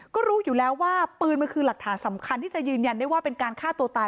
ก็รู้อยู่แล้วว่าปืนมันคือหลักฐานสำคัญที่จะยืนยันได้ว่าเป็นการฆ่าตัวตาย